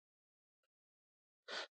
پسه د افغان ځوانانو لپاره دلچسپي لري.